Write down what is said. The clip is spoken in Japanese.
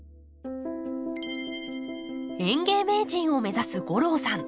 園芸名人を目指す吾郎さん。